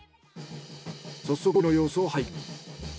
早速調理の様子を拝見。